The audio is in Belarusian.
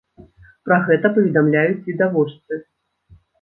Пра гэта паведамляюць відавочцы.